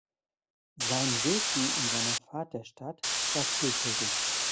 Sein Wirken in seiner Vaterstadt war vielfältig.